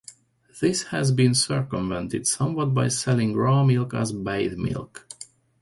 This has been circumvented somewhat by selling raw milk as "bath milk".